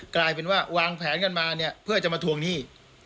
กลายเป็นว่าวางแผนกันมาเนี่ยเพื่อจะมาทวงหนี้